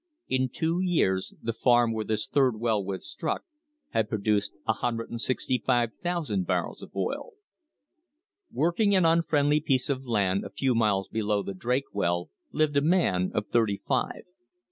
In two years the farm where this third well was struck had produced 165,000 barrels of oil. Working an unfriendly piece of land a few miles below the Drake well lived a man of thirty five.